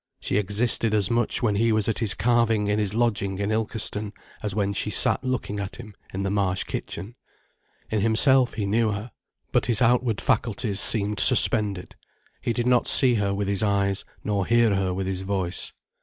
She existed as much when he was at his carving in his lodging in Ilkeston, as when she sat looking at him in the Marsh kitchen. In himself, he knew her. But his outward faculties seemed suspended. He did not see her with his eyes, nor hear her with his voice.